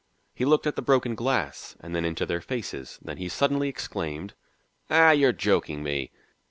He looked at the broken glass and then into their faces. Then he suddenly exclaimed: "Ah, you're joking me."